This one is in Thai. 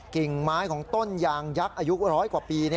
กิ่งไม้ของต้นยางยักษ์อายุร้อยกว่าปี